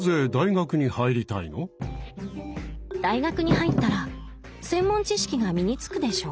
大学に入ったら専門知識が身につくでしょ。